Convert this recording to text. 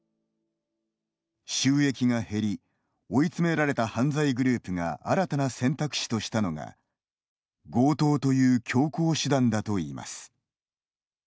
収益が減り追い詰められた犯罪グループが新たな選択肢としたのが強盗という強硬手段だといいます。